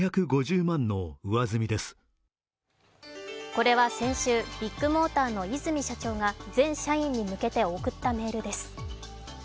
これは先週、ビッグモーターの和泉社長が全社員に向けて送ったメールです。